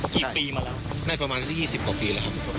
กี่ปีมาแล้วใช่ประมาณ๒๐ปีปีเลยครับ